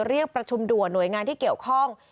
เรียกประชุมด่วนหน่วยงานที่เกี่ยวข้อง